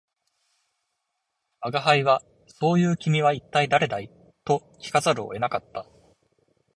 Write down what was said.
吾輩は「そう云う君は一体誰だい」と聞かざるを得なかった